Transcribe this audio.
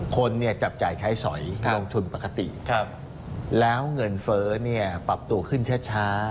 คนเนี่ยจับจ่ายใช้สอยลงทุนปกติแล้วเงินเฟ้อเนี่ยปรับตัวขึ้นช้า